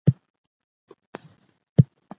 اميدوارې مورې، د وينې کموالی پر وخت تداوي کړه